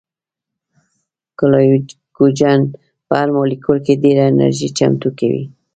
ګلایکوجن په هر مالیکول کې ډېره انرژي چمتو کوي